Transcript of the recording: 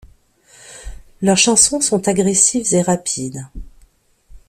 Leurs chansons sont agressives et rapides.